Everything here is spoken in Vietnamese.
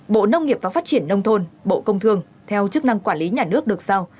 bộ nông nghiệp và phát triển nông thôn bộ công thương theo chức năng quản lý nhà nước được sao